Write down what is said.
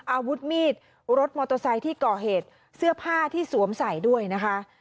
อาวุธมีดรถมอเตอร์ไซค์ที่ก่อเหตุเสื้อผ้าที่สวมใส่ด้วยนะคะ